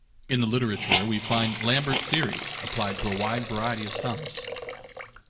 In the literature we find "Lambert series" applied to a wide variety of sums.